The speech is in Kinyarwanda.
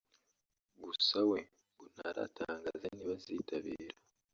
gusa we ngo ntaratangaza niba azitabira